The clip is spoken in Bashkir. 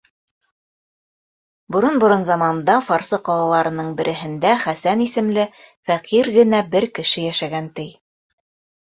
Борон-борон заманда фарсы ҡалаларының береһендә Хәсән исемле фәҡир генә бер кеше йәшәгән, ти.